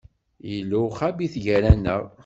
Yella uxabit gar-aneɣ.